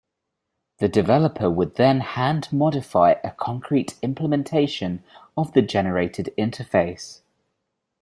The developer would then hand-modify a concrete implementation of the generated interface.